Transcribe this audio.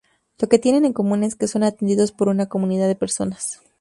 Lo que tienen en común es que son atendidos por una comunidad de personas.